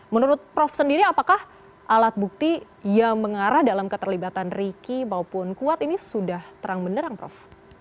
menurut prof sendiri apakah alat bukti yang mengarah dalam keterlibatan riki maupun kuat ini sudah terang benerang prof